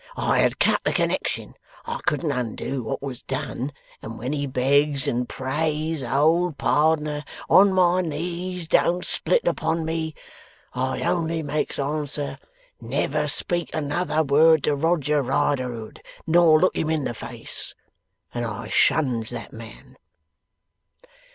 I had cut the connexion. I couldn't undo what was done; and when he begs and prays, "Old pardner, on my knees, don't split upon me!" I only makes answer "Never speak another word to Roger Riderhood, nor look him in the face!" and I shuns that man.